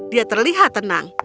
dia terlihat tenang